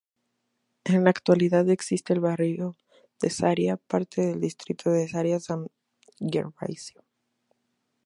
En la actualidad existe el barrio de Sarriá, parte del distrito de Sarriá-San Gervasio.